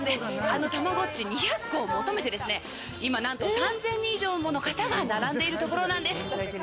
あのたまごっち２００個を求めてですね、何と３０００人以上の方が並んでいるところなんです。